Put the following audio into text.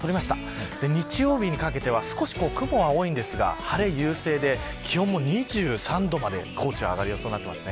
日曜日にかけては少し雲は多いですが晴れ優勢で、気温も２３度まで高知は上がる予想になっています。